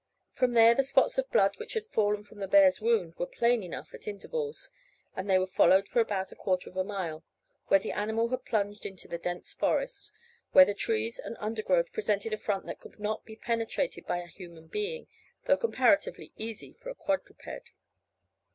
From there the spots of blood which had fallen from the bear's wound were plain enough at intervals, and they were followed for about a quarter of a mile, where the animal had plunged into the dense forest, where the trees and undergrowth presented a front that could not be penetrated by a human being, though comparatively easy for a quadruped.